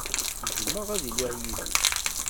Jjmeɣ ad iliɣ yid-k.